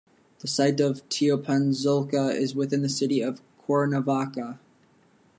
The site of Teopanzolco is within the city of Cuernavaca.